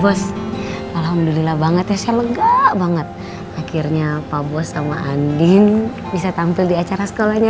bos alhamdulillah banget ya saya lega banget akhirnya pak bos sama andin bisa tampil di acara sekolahnya